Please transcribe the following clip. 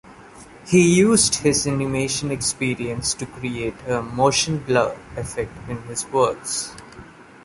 He used his animation experience to create a "motion blur" effect in his works.